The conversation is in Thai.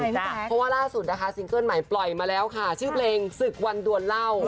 เพราะว่าล่าสุดนะคะซิงเกิ้ลใหม่ปล่อยมาแล้วค่ะชื่อเพลงศึกวันดวนเหล้า